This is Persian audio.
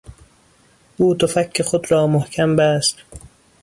او دو فک خود را محکم بست.